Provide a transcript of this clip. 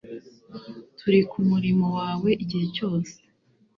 Turi kumurimo wawe igihe cyose